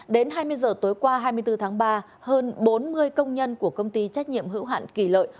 đến hai mươi giờ tối qua hai mươi bốn tháng ba hơn bốn mươi công nhân của công ty trách nhiệm hữu hạn kỳ lợi